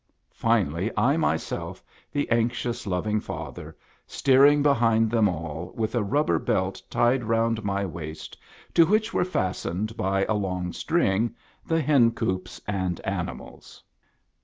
Finally I myself, the anxious, loving father, steering behind them all, with a rubber belt tied round my waist, to which were fastened, by a long string, the hencoops and animals.